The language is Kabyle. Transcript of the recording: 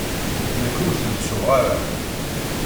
Nekk, ur ten-ttuɣ ara.